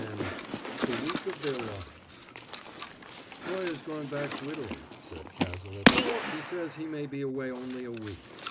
X THE WEEK OF THEIR LIVES "Toye's gone back to Italy," said Cazalet. "He says he may be away only a week.